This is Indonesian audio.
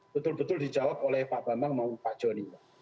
betul betul dijawab oleh pak bambang dan pak doni